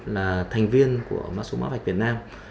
là thành viên của mã số mã vạch việt nam